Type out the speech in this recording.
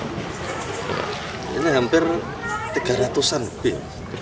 ini hampir tiga ratus an bil